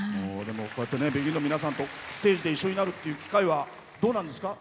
ＢＥＧＩＮの皆さんとステージで一緒になるという機会はどうなんですか？